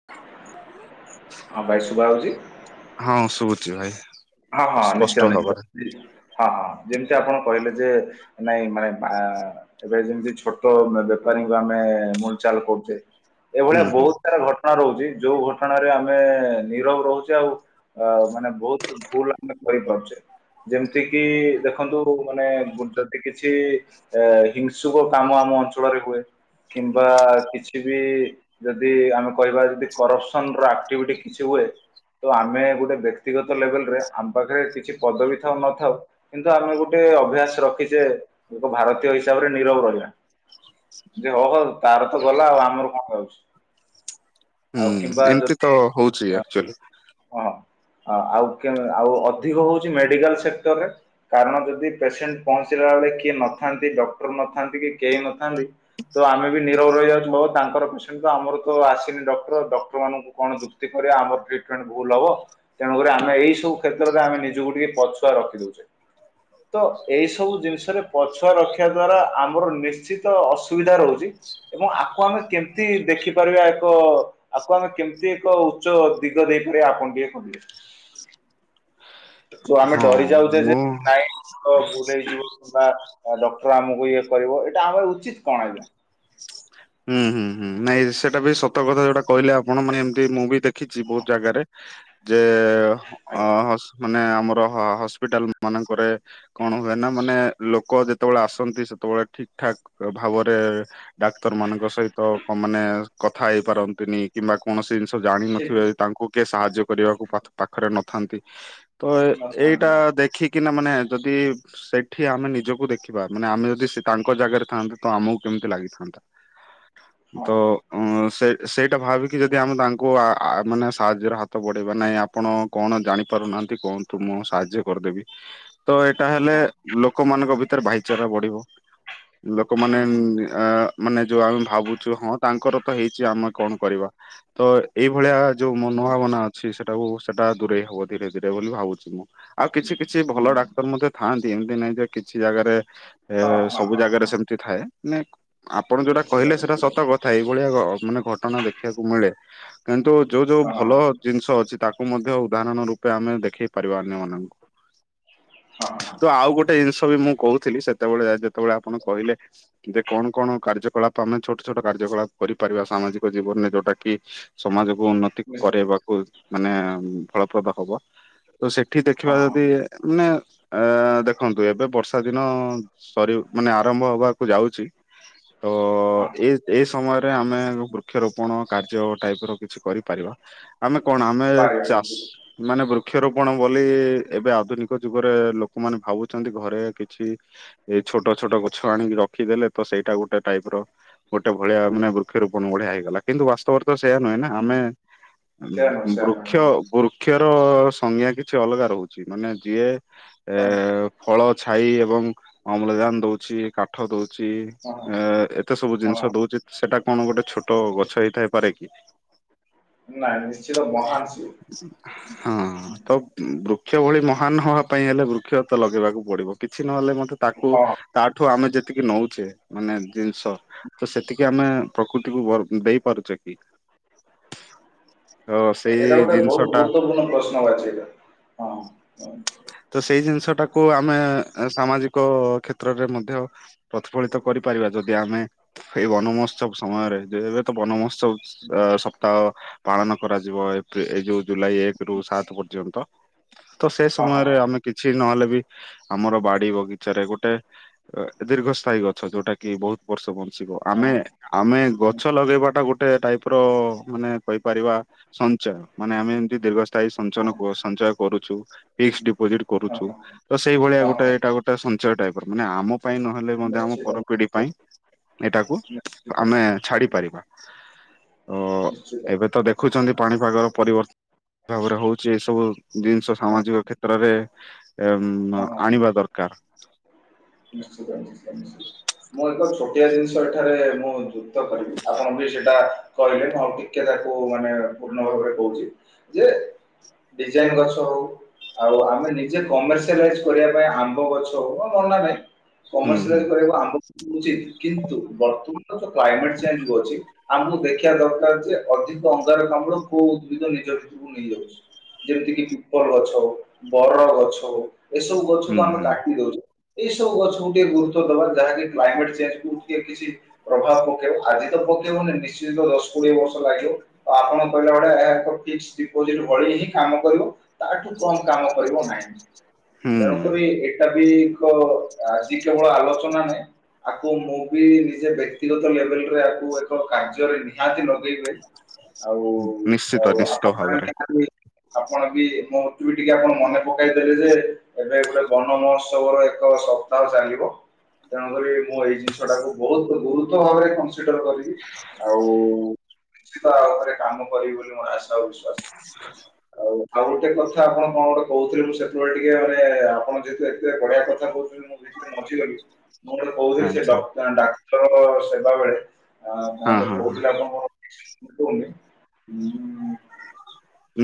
[unintelligible] ହଉ ଭାଇ ସୁୁଦ୍ଭା ହଉଛି। ହଁ ଶୁଭୁଛି ଭାଇ। ହଁ ହଁ ନିଶ୍ଚୟ ସ୍ପଷ୍ଟ ନିଶ୍ଚୟ ଭାବରେ ହଁ ହଁ ଯେମିତି ଆପଣ କହିଲେ ଯେ ନାଇଁ ମାନେ ଏବେ ଯେମିତି ଛୋଟ ବେପାରୀଙ୍କୁ ଆମେ ମୂଲ ଚାଲ କରୁଚେ। ହୁଁ ଏଭଳିଆ ହୁଁ ବହୁତ ସାରା ଘଟ ଘଟଣା ରହୁଛି ଯୋଉ ଘଟଣାରେ ଆମେ ନିରବ ରହୁଛେ ଆଉ ଅ ମାନେ ବହୁତ କି ଭୁଲ ଆମେ କରିପାରୁଛେ ଯେମିତି କିି ଦେଖନ୍ତୁ ମାନେ ଯଦି କିଛି ଏ ହିଂସୁକ କାମ ଆମ ଅଞ୍ଚଳରେ ହୁଏ କିମ୍ବା କିଛି ବି ଯଦି ଆମେ କହିବା ଯଦି କରପସନ ର ଆକ୍ଟିଭିଟି କିଛି ହୁଏ ତ ଆମେ ଗୋଟେ ବ୍ୟକ୍ତିଗତ ଲେବଲ ରେ ଆମ ପାଖରେ କିଛି ପଦବୀ ଥାଉ ନଥାଉ କିନ୍ତୁ ଆମେ ଗୋଟେ ଅଭ୍ୟାସ ରଖିଛେ ଏକ ଭାରତୀୟ ହିସାବରେ ନିରବ ରହିବା। ଯେ ହଁ ହ ତାର ତ ଗଲା ଆଉ ଆମର କଣ ଯାଉଛି। ଆଉ ସେମିତି ତ ହଉଛି ଆଚୁଆଲି। ହ ଆଉ ଆଉ ଅଧିକ ହଉଛି ମେଡିକାଲ ସେକ୍ଟରରେ କାରଣ ଯଦି ପେସେଣ୍ଟ ପହଞ୍ଚିଲା ବେଳେ କିଏ ନଥାନ୍ତି ଡକ୍ଟର ନଥାନ୍ତି କି କେହି ନଥାନ୍ତି ତ ଆମେ ବି ନିରବ ରହି ଯାଉଛୁ ବଉତ ତାଙ୍କର ଆମର ତ ଆସିନି ଡକ୍ଟର ଡକ୍ଟର ମାନଙ୍କୁ କଣ ଯୁକ୍ତି କରିବା ଆମର ଟିଟମେଣ୍ଟ ଭୁଲ ହବ ତେଣୁକରି ଆମେ ଏଇ ସବୁ କ୍ଷେତ୍ରରେ ଆମେ ନିଜକୁ ଟିକେ ପଛୁଆ ରଖି ଦଉଛେ। ହ ହ। ତ ଏଇ ସବୁ ଜିନିଷରେ ପଛୁଆ ରଖିବା ଦ୍ଵାରା ଆମର ନିଶ୍ଚିତ ଅସୁବିଧା ରହୁଛି ତ ଏବଂ ଆପଣ କେମତି ଦେଖିପାରିବା ଏକ ଆକୁ ଆମେ କେମିତି ଏକ ଉଚ୍ଚ ଦିଗ ଦେଇପାରିବା ଆପଣ ଟିକେ କହିବେ ଯୋଉ ଆମେ ହଁ ଡରି ଯାଉଛେ ଯେ ମୁଁ ନାଇଁ ତ ଭୁଲ ହେଇଯିବ କିମ୍ବା ଡକ୍ଟର ଆମକୁ ଇଏ କରିବ ଏଇଟା ଆମର ଉଚିତ କଣ ଆଜ୍ଞା। ହୁଁ ହୁଁ ହୁଁ। ନାଇଁ ସେଇଟା ବି ସତ କଥା ଯୋଉଟା କହିଲେ ଆପଣ ମାନେ ଏମତି ମୁଁ ବି ଦେଖିଛି ବହୁତ ଜାଗାରେ ଯେ ଆଜ୍ଞା ଅ ମାନେ ଆମର ହସ୍ପିଟାଲ ମାନଙ୍କରେ କଣ ହୁଏ ନା ମାନେ ଲୋକ ଯେତେବେଳେ ଆସନ୍ତି ସେତେବେଳେ ଠିକ୍ ଠାକ୍ ଭାବରେ ଡାକ୍ତର ମାନଙ୍କ ସହିତ୍ ମାନେ କଥା ହେଇପାରନ୍ତିନି କିମ୍ବା କୌଣସି ଜିନିଷ ଠିକ ଜାଣିିନଥିବେ ତାଙ୍କୁ କିଏ ସାହାଯ୍ୟ କରିବାକୁ ପାଖରେ ନଥାନ୍ତି ତ ନଥାନ୍ତି ଏଇଟା ଦେଖି କିନା ମାନେ ଯଦି ସେଠି ଆମେ ନିଜକୁ ଦେଖିବା, ମାନେ ଆମେ ଯଦି ସେ ତାଙ୍କ ଜାଗାରେ ଥାନ୍ତେ ତ ଆମକୁ କେମିତି ଲାଗିଥାନ୍ତା। ହଁ [inaudible] ସେ ସେଇଟା ଭାବିକି ଯଦି ଆମେ ତାଙ୍କୁ----ମାନେ ସାହାଯ୍ୟର ହାତ ବଢ଼େଇବା ନାଇଁ ଆପଣ କଣ ଜାଣି ପାରୁନାହାନ୍ତି କୁହନ୍ତୁ, ମୁଁ ସାହାଯ୍ୟ କର୍ ଦେବି। ତ ଏଇଟା ହଁ ହେଲେ ହଁ ଲୋକ ମାନଙ୍କ ଭିତରେ ଭାଇଚାରା ବଢ଼ିବ। ଲୋକ ମାନେ ହୁଁ ହୁଁ ମାନେ ଯଉ ଆମେ ଭାବୁ ହଁ ତାଙ୍କର ତ ହେଇଚି, ଆମେ କ'ଣ କରିବା? ତ ଏଇ ଭଳିଆ ଯଉ ମନୋ ଭାବନା ଅଛି ସେ ସେ---ସେଟା ଦୂରେଇ ହବ ଧୀରେ ଧୀରେ ବୋଲି ଭାବୁଚି ମୁଁ। ଆଉ କିଛି କିଛି ହୁଁ ଭଲ ହୁଁ ହୁଁ। ଡ଼ାକ୍ତର ମଧ୍ୟ ଥାଆନ୍ତି, ଏମ୍ତି ନାଇଁ ଯେ କିଛି ଜାଗାରେ ହଁ ହଁ ସବୁ ହଁ ଜାଗାରେ ହଁ ସେମ୍ତି ଥାଏ। ଆପଣ ଯଉଟା ନିଶ୍ଚିତ କହିଲେ, ସେଟା ନିଶ୍ଚିତ ସତ କଥା ଏଇ ଭଳିଆ---ମାନେ ଘଟଣା ଦେଖିବାକୁ ମିଳେ। କିନ୍ତୁ ଯଉ ଯଉ ହଁ ହଁ ଭଲ ଜିନ୍‌ଷ ଅଛି, ତାକୁ ମଧ୍ୟ ଉଦାହରଣ ରୂପେ ଆମେ ଦେଖେଇ ପାରିବା ଅନ୍ୟ ମାନଙ୍କୁ। [inaudible] ତ ଆଉ ଗୋଟେ ନ୍‌ଷ ବି ମୁଁ କହୁଥିଲି ସେତବଳେ। ତବଳେ ଆପଣ କହିଲେ, ଦେ କ'ଣ କ'ଣ କାର୍ଯ୍ୟ କଳାପ ଆମେ ଛୋଟ୍ କାର୍ଯ୍ୟ କଳାପ୍ କରି ପାରିବା, ସାମାଜିକ ଜୀବନ୍ ରେ ଯଉଟା କି ସମାଜକୁ ଉନ୍ନତି କରେଇ ନିଶ୍ଚିତ ବାକୁ, ମାନେ ଫଳପ୍ରଦ ହବ। ତ ସେଠି ହଁ ଦେଖିବା ହଁ ଯଦି ମାନେ----ଦେଖନ୍ତୁ, ଏବେ ବର୍ଷା ଦିନ ସରି, ମାନେ ଆରମ୍ଭ ହବାକୁ ଯାଉଛି। ତ ହଁ ଏ ଏ ସମୟରେ ଆମେ ବୃକ୍ଷ ରୋପଣ କାର୍ଯ୍ୟ ଟାଇପ୍ ର କିଛି କରି ପାରିବା। ଆମେ କ'ଣ ଆମେ ପାରିବା ଚା ନିଶ୍ଚିତ ମାନେ ବୃକ୍ଷ ରୋପଣ ବୋଲି ଏବେ ଆଧୁନିକ ଯୁଗରେ ଲୋ କ ମାନେ ଭାବୁଚନ୍ତି ଘରେ କିଛି ଏ ଛୋଟ ଛୋଟ ଗଛ ଆଣିକି ରଖିଦେଲେ, ତ ସେଇଟା ଗୋଟେ ଟାଇପ୍ ର ଗୋଟେ ଭଳିଆ ମାନେ ବୃକ୍ଷ ରୂପଣ ଭଳିଆ ହେଇଗଲା, କିନ୍ତୁ ବାସ୍ତବରେ ତ ସେଇଆ ନୁହେଁ ନା। ହୁଁ, ଆମେ ହୁଁ। ସେୟା ନୁହେଁ ସେୟା ନୁହେଁ ହଁ [inaudible] ବୃକ୍ଷର ସମ୍ୟା କିଛି ଅଲଗା ରହୁଚି, ମାନେ ଯିଏ ଏ ହଁ ଫଳ, ଛାଇ ଏବଂ ଅମ୍ଳଜାନ୍‌ ଦଉଚି, କାଠ ଦଉଚି, ହଁ ଏତେ ସବୁ ହଁ ଜିନ୍‌ ହଁ, ଦଉଚି, ସେଟା କ'ଣ ଗୋଟେ ଛୋଟ ନିଶ୍ଚିତ ଗଛ ହେଇ ଥାଇପାରେ କି ନାଇଁ, ନିଶ୍ଚିତ ମହାନ୍‌ ସିଏ। [inaudible] ତ ବୃକ୍ଷ ଭଳି ମହାନ୍‌ ହବା ପାଇଁ ହେଲେ, ବୃକ୍ଷ ତ ଲଗେଇ ବାକୁ ପଡ଼ିବ। କିଛି ନହେଲେ ମତେ ତାକୁ, ହଁ ତାଠୁ ଆମେ ଯେତିକି ନଉଚେ ମାନେ ଦିନ୍‌ଷ। ତ, ସେତିକି ଆମେ ପ୍ରକୃତିକୁ ଦେଇ ପାରୁଚେ କି ତ ଏଟା ସେଇ ଗୋଟେ ଜିନିଷ ବହୁତ୍ ଟା ଗୁରୁତ୍ୱପୂର୍ଣ ପ୍ରଶ୍ନବାଚୀ। ତ, ସେଇ ଜିନ୍‌ଷ ଟାକୁ ଆମେ ସାମାଜିକ କ୍ଷେତ୍ରରେ ମଧ୍ୟ ପ୍ରତିଫଳିତ କରିପାରିବା, ଯଦି ଆମେ ଏଇ ବନ ମହୋତ୍ସବ୍ ସମୟରେ। ଏବେ ତ ବନ ମହୋତ୍ସବ୍ ସପ୍ତାଅ ପାଳନ କରାଯିବ, ଏ ଯଉ ଜୁଲାଇ ଏକେ ରୁ ସାତେ ପର୍ଯ୍ୟନ୍ତ। ତ ସେ ହଁ ହଁ ସମୟରେ ହଁ ଆମେ କିଛି ନହେଲେ ବି ଆମର ବାଡ଼ି ବଗିଚାରେ ଗୋଟେ ଦୀର୍ଘ ସ୍ଥାୟୀ ଗଛ, ଯଉଟା କି ବହୁତ୍ ବର୍ଷ ଆମେ ହଁ ଆମେ ଗଛ ଲଗେଇବା ଟା ଗୋଟେ ଟାଇପ୍ ର ମାନେ କହି ପାରିବା ସଞ୍ଚୟ, ମାନେ ଆମେ----ତି ଦୀର୍ଘସ୍ଥାୟୀ ହଁ ସଞ୍ଚନ ହଁ ସଞ୍ଚୟ କରୁଚୁ। ଫିକ୍ସ ଡ଼ିପୋଜିଟ୍ କରୁଛୁ। ହଁ ତ ସେଇ ଭଳିଆ ହଁ ଗୋଟେ ହଁ ଏଇଟା ଗୋଟେ ସଞ୍ଚୟ ଟାଇପ୍, ମାନେ ଆମ ପାଇଁ ନହେଲେ ମଧ୍ୟ ଆମ ନିଶ୍ଚିତ ପର ପିଡ଼ି ନିଶ୍ଚିତ ପାଇଁ, ଏଇଟାକୁ ଆମେ ଛାଡ଼ି ପାରିବା। ଓ ନିଶ୍ଚିତ ଏବେ ତ ଦେଖୁଛନ୍ତି ପାଣିପାଗର ପରିବର୍ତ୍ତ ଗୋଟେ ହଉଛି ଏସବୁ ଜିନିଷ ହଁ ସାମାଜିକ କ୍ଷେତ୍ରରେ ହଁ ହଁ ଆଣିବା ଦରକାର। ନିଶ୍ଚିତ ନିଶ୍ଚିତ ନିଶ୍ଚିତ। ମୁଁ ଏକ ଛୋଟିଆ ଜିନିଷ ଏଠାରେ ମୁଁ ଯୁକ୍ତ କରିବି ଆପଣ ବି ସେଇଟା କହିଲେ ମୁ ଆଉ ଟିକେ ତାକୁ ମାନେ ପୂର୍ଣ୍ଣ ଭାବରେ କହୁଛି ଯେ ଡିଜାଇନ ଗଛ ହଉ ଆଉ ଆମେ ନିଜେ କମ୍ ଏଜ୍‌ କମରସିଆଲ ଏଜ୍‌ କରିବା ପାଇଁ ଆମ୍ବ ଗଛ ହଉ ନହେଲେ ଭାଇ ହୁଁ ହୁଁ କମର୍ସିଆଇଲ କରିବା ପାଇଁ ଆମ୍ବ ଉଚିତ୍ କିନ୍ତୁ ବର୍ତ୍ତମାନ କ୍ଲାଇମେଟ ଚେଞ୍ଜ ଦୋଉଛି ଆମକୁ ଦେଖିବା ଦରକାର ଯେ ଅଧିକ ଅଙ୍ଗାର କାମ୍ଳ କୋଉ ଉଦ୍ଭିଦ ନିଜ ଭିତରକୁ ନେଇଯାଉଛି। ଯେମିତିକି ପିପଲ ଗଛ ବର ଗଛ ଏସବୁ ହୁଁ ଗଛକୁ ଆମେ ହୁଁ କାଟି ଦଉଛୁ। ଏଇ ସବୁ ଗଛ କୁ ଟିକେ ଗୁରୁତ୍ୱ ଦବା ଯାହାକି କ୍ଲାଇମେଟ ଚେଞ୍ଜ କୁ ଟିକେ କିଛି ପ୍ରଭାବ ପକେଇବ ଆଜି ତ ପକେଇବନି ନିଶ୍ଚତ ଦଶ କୋଡିଏ ବର୍ଷ ଲାଗିବ। ଆପଣ କହିଲା ଭଳିଆ ଓ ଫିକ୍ସ ଡ଼ିପୋଜିଟ୍ ଭଳି ହିଁ କାମ କରିବ। ତାଠୁ କମ୍ କାମ କରିବ ନାହିଁ। ହୁଁ ତେଣୁକରି ଏଇଟା ବି ଏକ ଆଜି କେବଳ ଆଲୋଚନା ନାହିଁ। ଆକୁ ମୁଁ ବି ନିଜେ ବ୍ୟକ୍ତିଗତ ଲେବଲ ରେ ଆକୁ ଏକ କାର୍ଯ୍ୟରେ ନିହାତି ଲଗେଇବେ। ଆଉ ଆଉ ନିଶ୍ଚିତ ନିଶ୍ଚିତ ଆପଣ ଭାବରେ। ନିହାତି ଆପଣ ବି ମୋ ତୁ ବି ଟିକେ ଆପଣ ମନେ ପକେଇଦେବେ ଯେ ଏବେ ଗୋଟେ ବନ ମହୋତ୍ସବର ଏକ ସପ୍ତାହ ଚାଲିବ। ତେଣୁ କରି ମୁଁ ଏଇ ଜିନିଷ ଟାକୁ ବହୁତ୍ ଗୁରୁତ୍ୱ ଭାବରେ କନସିଡର କରିବି। ଆଉ ନିଶ୍ଚିତ ଭାବରେ କାମ କରିବି ବୋଲି ମୋର ଆଶା ଆଉ ବିଶ୍ଵାସ। ଆଉ ଆଉ ଗୋଟେ କଥା ଆପଣ କଣ ଗୋଟେ କହୁଥିଲେ ମୁଁ ସେତେବେଳେ ଟି କିଏ ଆମେ ଆପଣ ଯେହେତୁ ଏତେ ବଢିଆ କଥା କହୁଛନ୍ତି ମୁଁ ଭିତରେ ମଜିଗଲି। ମୁଁ ଗୋଟେ କହୁଥିଲି ଯେ ଆଚ୍ଛା ଡକ ଡାକ୍ତର ସେବା ବେଳେ ଆ ମୁ ହଁ ଗୋଟେ ହଁ ହଁ। କହୁଥିଲେ ଆପଣଙ୍କୁ କହୁନି ଉଁ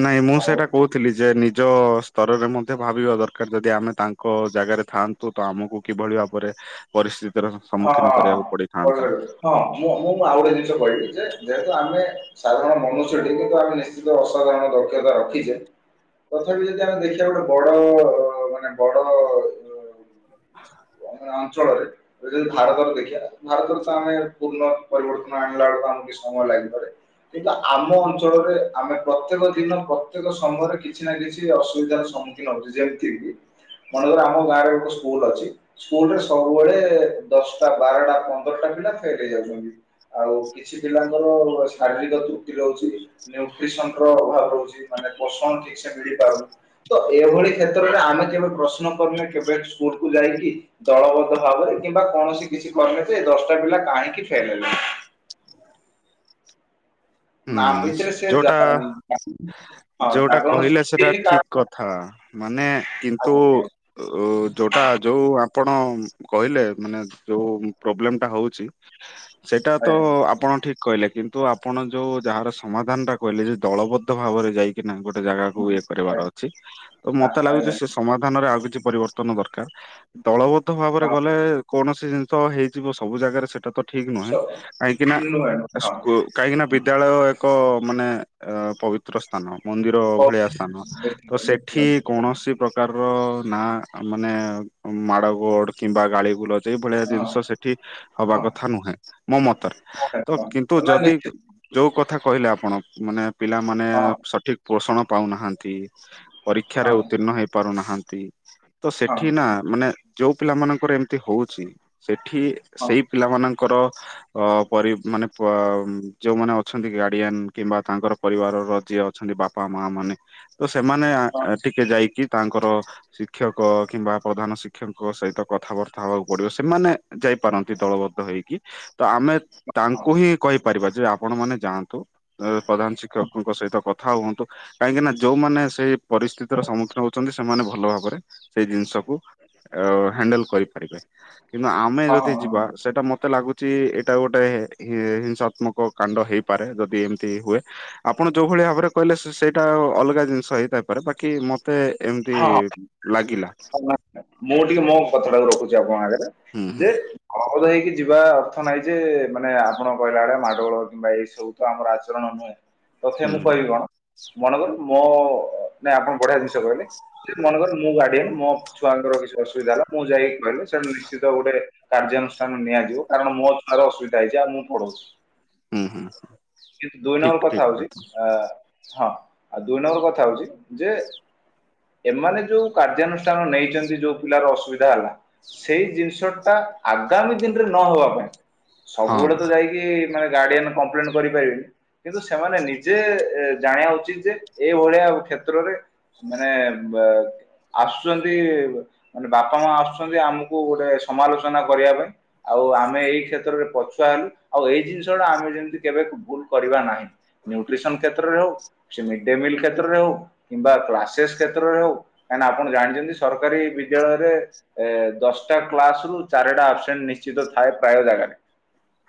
ନାଇଁ ମୁଁ କଣ ସେଇଟା କହୁଥିଲି ଯେ ନିଜ ସ୍ତରରେ ମଧ୍ୟ ଭାବିବା ଦରକାର ଯଦି ଆମେ ତାଙ୍କ ଜାଗାରେ ଥାଆନ୍ତୁ ତ ଆମକୁ କିଭଳି ଭାବରେ ପରିସ୍ଥିତିର ହଁ ସମ୍ମୁଖୀନ କରିବାକୁ ହଁ ପଡିଥାନ୍ତା। ହଁ ମୁଁ ମୁଁଁ ଆଉ ଗୋଟେ ଜିନିଷ କହିବି ଯେ ଯେହେତୁ ଆମେ ସାଧାରଣ ମନୁଷ୍ୟ ଟି କିନ୍ତୁ ଆମେ ନିଶ୍ଚିତ ଅସାଧାରଣ ଦକ୍ଷତା ରଖିଛେ। ତଥାପି ଯଦି ଆମେ ଦେଖିବା ଗୋଟେ ବଡ ମାନେ ବଡ ଆଁ ଅଞ୍ଚଳରେ ଯଦି ଭାରତରେ ଦେଖିବା ଭାରତରେ ତ ଆମେ ପୂର୍ଣ୍ଣ ପରିବର୍ତ୍ତନ ଆଣିଲା ବେଳକୁ ଆମକୁ କିଛି ସମୟ ଲାଗିପାରେ। କିନ୍ତୁ ଆମ ଅଞ୍ଚଳରେ ଆମେ ପ୍ରତ୍ୟେକ ଦିନ ପ୍ରତ୍ୟେକ ସମୟରେ କିଛି ନା କିଛି ଅସୁବିଧାର ସମ୍ମୁ କି ନଦି ଦିଆଚି କି ମଣ୍ଡପଟା ତମ ଗାଁରେ ଗୋଟ ସ୍କୁଲ ଅଛି। ସ୍କୁଲରେ ସବୁବେଳେ ଦଶଟା ବାରଟା ପନ୍ଦରଟା ପିଲା ଫେଲ୍ ହେଇ ଯାଉଚନ୍ତି। ଆଉ କିଛି ପିଲାଙ୍କର ଶାରୀରିକ ତ୍ରୁଟି ରହୁଛି। ନ୍ୟୁଟ୍ରୀସନ୍ ର ଅଭାବ ରହୁଛି ମାନେ ପସଣ ଠିକ୍ ସେ ମିଳିପାରୁନି। ତ ଏଭଳି କ୍ଷେତ୍ରରେ ଆମେ କେବେ ପ୍ରଶ୍ନ କରୁନେ କେବେ ସ୍କୁଲ କୁ ଯାଇକି। ଦଳବଦ୍ଧ ଭାବରେ କିମ୍ବା କୌଣସି କିଛି କଲେ ଯେ ଦଶଟା ପିଲା କାହିଁକି ଫେଲ୍ ହେଲେ। ଆମ ହୁଁ ଭିତରେ ସେ ଜା ଯୋଉଟା ହଁ ଯୋଉଟା ଜାଗରଣ କହିଲେ ସୃଷ୍ଟି ସେଟା ହେଇନି ଠିକ୍। କାରଣ କଥା ମାନେ କିନ୍ତୁ ଆଜ୍ଞା ଉ ଯୋଉଟା ଯୋଉ ଆପଣ କହିଲେ ମାନେ ଯୋଉ ପ୍ରୋବ୍ଲେମ ଟା ହଉଛି। ସେଇଟା ତ ଆଜ୍ଞା ଆପଣ ଠିକ୍ କହିଲେ କିନ୍ତୁ ଆପଣ ଯୋଉ ଯାହାର ସମାଧାନ ଟା କହିଲେ ଯେ ଦଳବଦ୍ଧ ଭାବରେ ଯାଇକିନା ଗୋ ଗୋଟେ ଜାଗାକୁ ଇଏ କରିବାର ଆଜ୍ଞା। ଅଛି ତ ମତେ ଲାଗୁଚି ଆଜ୍ଞା ସେ ସମାଧାନରେ ଆଉ କିଛି ପରିବର୍ତ୍ତନ ଦରକାର। ଦଳବଦ୍ଧ ଭାବରେ ଗଲେ କୌଣସି ଜିନିଷ ହେଇଯିବ ସବୁ ଜାଗାରେ ସେଟା ତ। ଠିକ ନୁହେଁ ହଁ କହିକିନା ନୁହେଁ ନୁହେଁ ହଁ। କୁ କହିକିନା ପି [unintelligible] ଏକ ମାନେ ଅ ପବିତ୍ର ସ୍ଥାନ। ମନ୍ଦିର ଭଳିଆ ସ୍ଥାନ ତ ସେଠି କୌଣସି ପ୍ର ପ୍ରକାରର ନା ମାନେ ମାଡ ଗୋଡ କିମ୍ବା ଗାଳିଗୁଲଜ ସେଇଭଳିଆ ଜିନିଷ ସେଠି ହବା କଥା ନୁହେଁ ମୋ ମତରେ ତ କିନ୍ତୁ ଯଦି। ଯୋଉ କଥା କହିଲେ ଆପଣ ମାନେ ପିଲାମାନେ ସଠିକ୍ ପୋଷଣ ପାଉନାହାନ୍ତି। ପରୀକ୍ଷାରେ ଉତ୍ତୀର୍ଣ୍ଣ ହେଇ ପାରୁନାହାନ୍ତି ତ ସେଠି ନା ମାନେ। ଯୋଉ ପିଲା ମାନଙ୍କର ଏମିତି ହଉଛି। ସେଠି ସେଇ ପିଲାମାନଙ୍କର ଅ ପରି ମାନେ ପ ଯୋଉମାନେ ଅ ଅଛନ୍ତି ଗାର୍ଡ଼ିଆନ୍। କିମ୍ବା ତାଙ୍କର ପରିବାରର ଯିଏ ଅଛନ୍ତି ବାପା ମା ମାନେ। ତ ସେମାନେ ଆଁ ଟିକିଏ ଯାଇଁକି ତାଙ୍କର। ଶିକ୍ଷକ କିମ୍ବା ପ୍ରଧାନ ଶିକ୍ଷକଙ୍କ ସହିତ କଥାବାର୍ତ୍ତା ହବାକୁ ପଡିବ ସେମାନେ। ଯାଇପାରନ୍ତି ଦଳବଦ୍ଧ ହେଇକି ତ ଆମେ ତାଙ୍କୁ ହିଁ କହିପାରିବା ଯେ ଆପଣମାନେ। ଯାଆନ୍ତୁ ଏ ପ୍ରଧାନ ଶିକ୍ଷକଙ୍କ ସହିତ କଥା ହୁଅନ୍ତୁ। କାହିଁକି ନା ଯୋଉମାନେ ସେଇ ପରିସ୍ଥିତିର ସମ୍ମୁଖୀନ ହଉଚନ୍ତି ସେମାନେ ଭଲ ଭାବରେ ସେଇ ଜିନିଷକୁ। ଆ ଅ ହ୍ୟାଣ୍ଡେଲ କରିପାରିବେ। କିନ୍ତୁ ଆମେ ଯଦି ଯିବା ସେଟା ମତେ ଲାଗୁଚି ଏଇଟା ଗୋଟେ ଏ ହିଂସାତ୍ମକ। କାଣ୍ଡ ହେଇପାରେ ଯଦି ଏମିତି ହୁଏ। ଆପଣ ଯୋଉ ଭଳି ଭାବରେ କହିଲେ ସେ ସେଇଟା ଅଲଗା ଜିନିଷ ହେଇଥାଇପାରେ ବାକି ମତେ ଏମିତି। ଲାଗିଲା। ମୁଁ ଟିକେ ମୋ କଥା ଟାକୁ ରଖୁଚି ଆପଣଙ୍କ ଆଗରେ ହୁଁ ଯେ ହୁଁ ଅଳବଦ ହେଇକି ଯିବା ଅର୍ଥ ନାହିଁ ଯେ ମାନେ ଆପଣ କହିଲା ଭଳିଆ ମାଡଗୋଳ କିମ୍ବା ଏଇ ସବୁ ତ ଆମର ଆଚରଣ ନୁହେଁ। ତଥାପି ହୁଁ ମୁଁ କହିବି କଣ ମନେକର ମୋ ନାଇଁ ଆପଣ ବଢିଆ ଜିନିଷ କହିଲେ ଯେ ମନ କର ମୁଁ ଗଡିଆନେ ମ ଛୁଆଙ୍କର କିଛି ଅସୁବିଧା ହେଲା ମୁଁ ଯାଇଁକି କହିଲି ସେ ନିଶ୍ଚିତ ଗୋଟେ। କାର୍ଯ୍ୟାନୁଷ୍ଠାନ ନିଆଯିବ କାରଣ ମୋ ଛୁଆର ଅସୁବିଧା ହେଇଛି ଆଉ ମୁଁ ପଢଉଛି। ହୁଁ ହୁଁ କିନ୍ତୁ ଦୁଇ ଠିକ ନମ୍ବର ଠିକ କଥା ହଉଛି ଆ ହଁ ଆଉ ଦୁଇ ନମ୍ବର କଥା ହଉଚି ଯେ ଏମାନେ ଯୋଉ କାର୍ଯ୍ୟାନୁଷ୍ଠାନ ନେଇ ଯେମିତି ଯୋଉ ପିଲାର ଅସୁବିଧା ହେଲା ସେଇ ଜିନିଷ ଟା ଆଗାମୀ ଦିନରେ ନ ହବା ପାଇଁ। ହଁ। ସବୁବେଳେ ତ ଯାଇକି ମାନେ ଗାଡିଆନ କମ୍ପ୍ଲେନ କରିପାରିବେନି। କିନ୍ତୁ ସେମାନେ ନିଜେ ଏ ଜାଣିବା ଉଚିତ ଯେ ଏ ଭଳିଆ କ୍ଷେତ୍ରରେ। ମାନେ ବ ଆସୁଚନ୍ତି। ମାନେ ବାପା ମା ଆସୁଛନ୍ତି ଆମକୁ ଗୋଟେ ସମାଲୋଚନା କରିବା ପାଇଁ। ଆଉ ଆମେ ଏଇ କ୍ଷେତ୍ରରେ ପଛୁଆ ହେଲୁ ଆଉ ଏଇ ଜିନିଷ ଟା ଆମେ ଯେମତି କେବେ ଭୁଲ କରିବା ନାହିଁ। ନ୍ୟୁଟ୍ରିସନ କ୍ଷେତ୍ରରେ ହଉ, ସେ ମିଡ୍ ଡେ ମିଲ୍ କ୍ଷେତ୍ରରେ ହଉ। କିମ୍ବା କ୍ଲାସେସ୍ କ୍ଷେତ୍ରରେ ହଉ, କାହିଁ ନା ଆପଣ ଜାଣିଛନ୍ତି ସରକାରୀ ବିଦ୍ୟାଳୟରେ। ଏ ଦଶଟା କ୍ଲାସ ରୁ ଚାରିଟା ଆବସେଣ୍ଟ ନିଶ୍ଚିତ ଥାଏ ପ୍ରାୟ ଜାଗାରେ।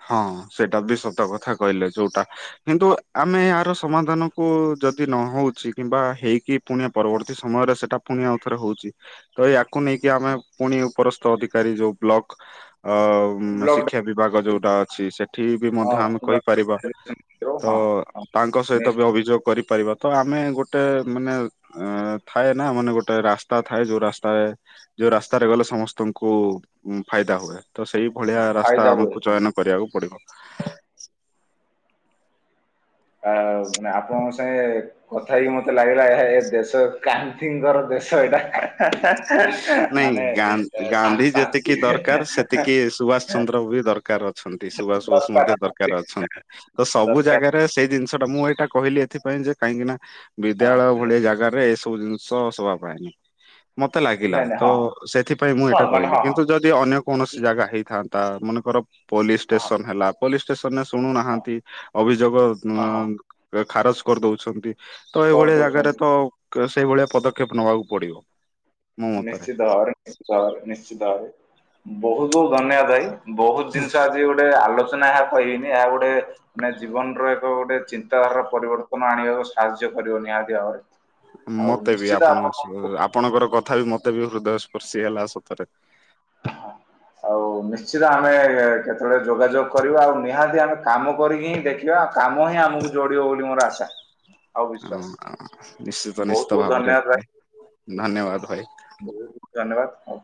ହଁ ସେଟା ବି ସତ କଥା କହିଲେ ଯୋଉଟା, କିନ୍ତୁ ଆମେ ଏହାର ସମାଧାନ। କୁ ଯଦି ନ ହଉଛି କିମ୍ବା ହେଇକି ପୁଣି ପରବର୍ତ୍ତୀ ସମୟରେ ସେଟା ପୁଣି ଆଉଥରେ ହଉଚି। ତ ୟାକୁ ନେଇକି ଆମେ ପୁଣି ଉପରସ୍ତଥ ଅଧିକାରୀ ଯୋଉ ବ୍ଲକ ଅ ଉଁ ବ୍ଲକ ଶିକ୍ଷା ବିଭାଗ ଯୋଉ। ଟା ଅଛି ସେଠି ବି ମଧ୍ୟ ହଁ ଆମେ କହିପାରିବା ହଁ ତ ତାଙ୍କ ସହିତ ବି ଅଭିଯୋଗ କରିପାରିବା ତ ଆମେ ଗୋଟେ ମାନେ ଆଁ ଥାଏ ନା ମାନେ ଗୋଟେ ରାସ୍ତା ଥାଏ, ଯୋଉ ରାସ୍ତାରେ ଯୋଉ ରାସ୍ତାରେ ଗଲେ ସମସ୍ତଙ୍କୁ ଫାଇଦା ହୁଏ ତ ସେଇ ଭଳିଆ ରାସ୍ତା ଫାଇଦା ହୁଏ ଆମକୁ ହଁ ଚୟନ କରିବାକୁ ପଡିବ। ଆ ମାନେ ଆପଣଙ୍କ ସାଙ୍ଗେ କଥା ହେଇକି ମତେ ଲାଗିଲା, ଏହା ଏ ଦେଶ ଗାନ୍ଧିଙ୍କର ଦେଶ ଏଇଟା। ନାଇଁ ମାନେ ଏ ଗାନ୍ଧୀ ଶା ଗାନ୍ଧୀ ଶାନ୍ତି ଯେତିକି ଦରକାର, ସେତିକି ସୁଭାଷ ଚନ୍ଦ୍ର ବି ଦର୍ କାର ଅଛନ୍ତି, ସୁବାସ ବୋଷ ମଧ୍ୟ ଦରକାର ଅଛନ୍ତି। ତ ସବୁ ଦରକାର ଜାଗାରେ ସେଇ ଜିନିଷ ଟା ମୁଁ ଏଇଟା କହିଲି ଏଥିପାଇଁ ଯେ କାହିଁକି ନା, ହଁ ବିଦ୍ୟାଳୟ ଭଳି ଜାଗାରେ କୋଉ ଜିନିଷ ଶୋଭା ପାଏନି ମତେ ଲାଗିଲା, ନାଇଁ ନାଇଁ ତ ହଁ ସେଥିପାଇଁ ମୁଁ ହଁ ଏଇଟା ମାନେ କହିଲି। ହଁ ହଁ କିନ୍ତୁ ଯ ଦି ଅନ୍ୟ କୌଣସି ଜାଗା ହେଇଥାନ୍ତା, ମନେକର ପୋଲିସ ହଁ ହଁ। ଷ୍ଟେସନ ହେଲା ପୋଲିସ ଷ୍ଟେସନରେ ହଁ ଶୁଣୁନାହାନ୍ତି, ଅଭିଯୋଗ ହଁ ହଁ ଉଁ ଖାରଜ କରିଦଉଛନ୍ତି। ତ ଏଇଭଳିଆ ଜାଗାରେ କରିଦଉଛନ୍ତି ତ କ-ସେଇଭଳିଆ ପଦକ୍ଷେପ ନବାକୁ ପଡିବ। ମୋ ମତରେ। ନିଶ୍ଚିତ ଭାବରେ ନିଶ୍ଚିତ ଭାବରେ ନିଶ୍ଚିତ ଭାବରେ। ବହୁତ ଧନ୍ୟବାଦ ଭାଇ। ବହୁତ ଜିନିଷ ଆଜି ଗୋଟେ ଆଲୋଚନା ଏହା କହିବିନି, ଏହା ଗୋଟେ ମାନେ ଜୀବନର ଏକ ଗୋଟେ ଚିନ୍ତାଧାରା ପରିବର୍ତ୍ତନ ଆଣିବାକୁ ସାହାଯ୍ୟ କରିବ ନିହାତି ଭାବରେ। ଆଉ ମତେ ବି ନିଶ୍ଚିତ ଆପଣଙ୍କ ଆପଣଙ୍କୁ ସ-ଆପଣଙ୍କର କଥା ବି ମତେ ବି ହୃଦୟ ସ୍ପର୍ଶୀ ହେଲା ସତରେ। ହଁ ଆଉ ନିଶ୍ଚିତ ଆମେ କେତେବେଳେ ଯୋଗାଯୋଗ କରିବା, ଆଉ ନିହାତି ଆମେ କାମ କରିକି ହିଁ ଦେଖିବା, ଆଉ କାମ ହିଁ ଆମକୁ ଯୋଡିବ ବୋଲି ମୋର ଆଶା। ଆଉ ହଁ ବିଶ୍ଵାସ ନିଶ୍ଚିତ ବହୁତ ନିଶ୍ଚିତ ବହୁତ ଭାବରେ ଧନ୍ୟବାଦ ଭାଇ ଧନ୍ୟବାଦ ଭାଇ। ବହୁତ ଧନ୍ୟବାଦ ହୋଉ।